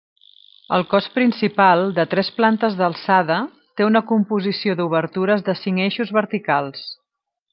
El cos principal, de tres plantes d'alçada, té una composició d'obertures de cinc eixos verticals.